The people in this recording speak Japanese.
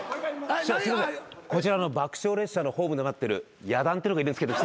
師匠こちらの爆笑列車のホームで待ってるや団っていうのがいるんですけど。